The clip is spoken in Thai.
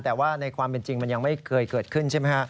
แต่ว่าในความเป็นจริงมันยังไม่เคยเกิดขึ้นใช่ไหมฮะ